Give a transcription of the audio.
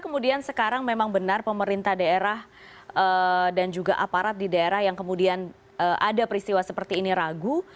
kemudian sekarang memang benar pemerintah daerah dan juga aparat di daerah yang kemudian ada peristiwa seperti ini ragu